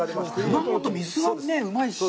熊本、水がうまいし。